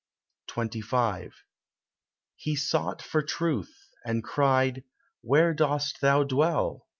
XXV He sought for Truth, and cried, "Where dost thou dwell?"